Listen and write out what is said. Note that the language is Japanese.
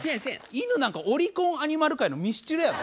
犬なんかオリコンアニマル界のミスチルやぞ？